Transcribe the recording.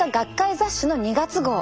雑誌の２月号。